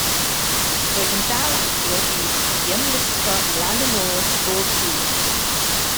Roedd yn dal ati o hyd i ymlusgo i lan y môr bob dydd.